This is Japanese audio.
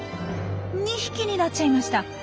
２匹になっちゃいました。